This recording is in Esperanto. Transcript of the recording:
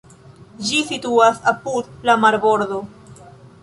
Ĝi situas apud la marbordo.